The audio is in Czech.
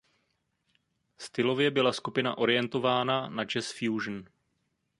Stylově byla skupina orientována na jazz fusion.